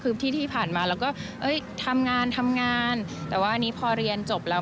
คือที่ที่ผ่านมาเราก็เอ้ยทำงานทำงานแต่ว่าอันนี้พอเรียนจบแล้ว